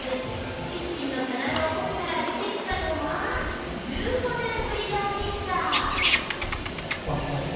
キッチンの棚の奥から出てきたのは１５年ぶりのミキサー